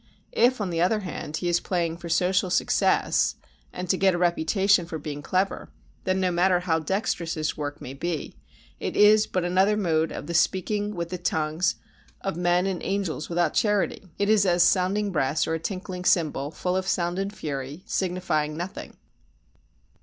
If, on the other hand, he is playing for social success and to get a reputation for being clever, then no matter how dexterous his work may be, it is but another mode of the speaking with the tongues of men and angels without charity; it is as sounding brass or a tinkling cymbal, full of sound and fury signifying nothing.